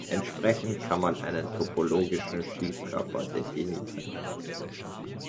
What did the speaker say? Entsprechend kann man einen topologischen Schiefkörper definieren.